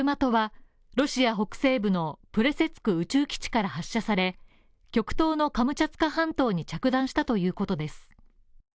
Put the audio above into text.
「サルマト」はロシア北西部のプレセツク宇宙基地から発射され、極東のカムチャツカ半島に着弾したということです。